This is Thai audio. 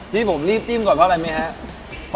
รีบผมรีบจิ้มก่อนเพราะอะไรไหมครับ